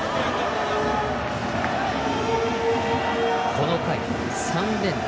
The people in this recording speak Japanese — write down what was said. この回、３連打。